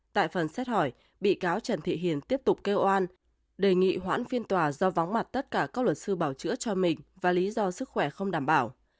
tại phần xét hỏi bị cáo trần thị hiền tiếp tục kêu oan đề nghị hoãn phiên tòa do vắng mặt tất cả các luật sư bảo chữa cho mình và lý do sức khỏe không đảm bảo